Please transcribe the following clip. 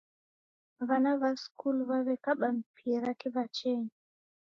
W'ana w'a skulu w'aw'ekaba mpira kiw'achenyi